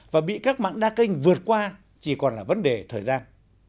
và bị các mạng đa kênh vượt qua chỉ còn là vấn đề thời gian